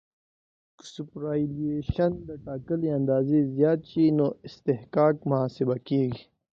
که سوپرایلیویشن له ټاکلې اندازې زیات شي نو اصطکاک محاسبه کیږي